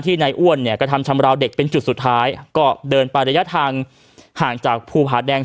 นายอ้วนเนี่ยกระทำชำราวเด็กเป็นจุดสุดท้ายก็เดินไประยะทางห่างจากภูผาแดง